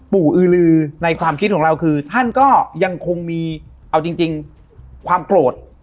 อือลือในความคิดของเราคือท่านก็ยังคงมีเอาจริงความโกรธ